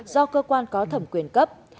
do cơ quan có thẩm quyền cấp